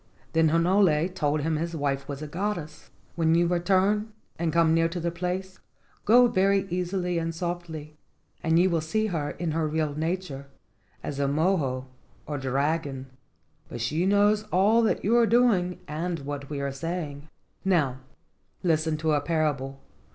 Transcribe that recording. Then Hinole told him his wife was a goddess. "When you return and come near to the place, go very easily and softly, and you will see her in her real nature, as a mo o, or dragon; but she knows all that you are doing and what we are saying. Now listen to a parable.